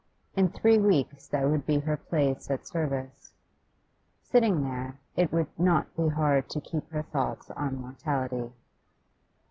In three weeks that would be her place at service. Sitting there, it would not be hard to keep her thoughts on mortality.